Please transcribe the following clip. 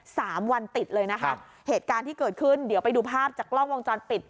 สามวันติดเลยนะคะเหตุการณ์ที่เกิดขึ้นเดี๋ยวไปดูภาพจากกล้องวงจรปิด